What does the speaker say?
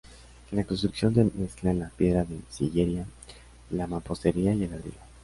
En la construcción se mezclan la piedra de sillería, la mampostería y el ladrillo.